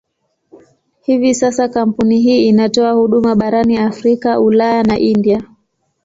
Hivi sasa kampuni hii inatoa huduma barani Afrika, Ulaya na India.